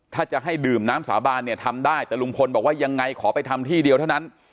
ถ้าจะให้ดื่มน้ำสาบานเนี่ยทำได้แต่ลุงพลบอกว่ายังไงขอไปทำที่เดียวเท่านั้น